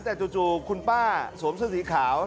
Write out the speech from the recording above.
แต่จู่คุณป้าสวมเสื้อสีขาว